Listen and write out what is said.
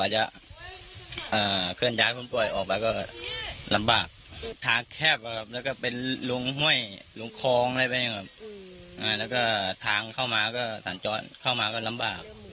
จากทางเข้ามาซานจ้อนเข้ามาก็ลำบาก